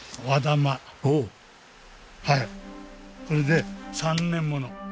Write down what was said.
これで３年もの。